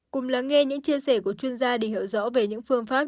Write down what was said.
cùng lắng nghe những chia sẻ của chuyên gia để hiểu rõ về những phương pháp